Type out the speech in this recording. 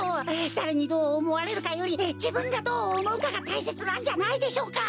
だれにどうおもわれるかよりじぶんがどうおもうかがたいせつなんじゃないでしょうか？